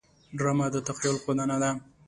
ډرامه د تخیل ښودنه ده